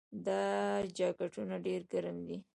دا جاکټونه ډیر ګرم دي.